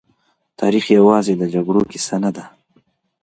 تاريخ يوازې د جګړو کيسه نه ده.